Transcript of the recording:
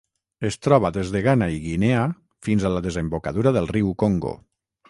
Es troba des de Ghana i Guinea fins a la desembocadura del riu Congo.